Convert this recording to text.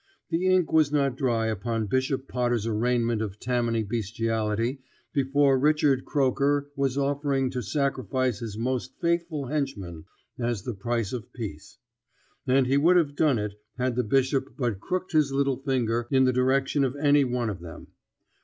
The ink was not dry upon Bishop Potter's arraignment of Tammany bestiality before Richard Croker was offering to sacrifice his most faithful henchmen as the price of peace; and he would have done it had the Bishop but crooked his little finger in the direction of any one of them.